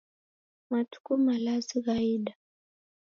Matuku malazi ghaida